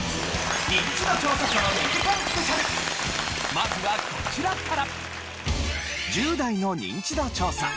まずはこちらから。